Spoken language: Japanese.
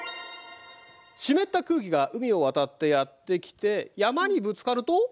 湿った空気が海を渡ってやって来て山にぶつかると。